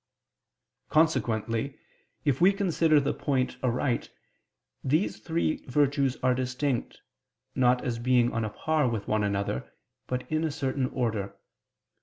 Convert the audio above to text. Consequently, if we consider the point aright, these three virtues are distinct, not as being on a par with one another, but in a certain order.